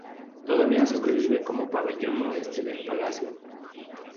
Todavía sobrevive como Pabellón Oeste del palacio.